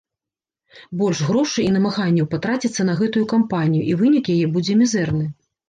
Больш грошай і намаганняў патраціцца на гэтую кампанію, і вынік яе будзе мізэрны.